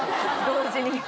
同時に。